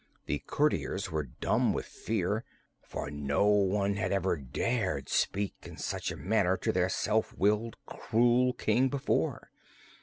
The courtiers were dumb with fear, for no one had ever dared speak in such a manner to their self willed, cruel King before.